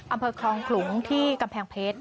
อำเภอคลองขลุงที่กำแพงเพชร